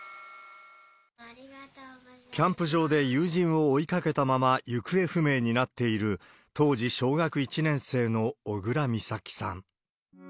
キャンプ場で友人を追いかけたまま行方不明になっている、当時小学１年生の、小倉美咲さん。